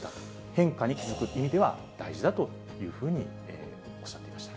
変化に気付くという意味では大事だというふうにおっしゃっていました。